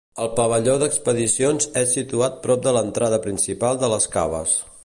El pavelló d'expedicions és situat prop de l'entrada principal de les caves.